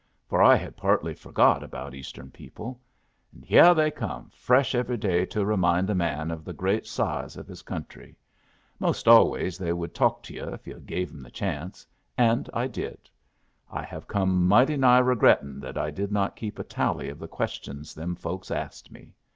For I had partly forgot about Eastern people. And hyeh they came fresh every day to remind a man of the great size of his country. Most always they would talk to yu' if yu' gave 'em the chance; and I did. I have come mighty nigh regrettin' that I did not keep a tally of the questions them folks asked me.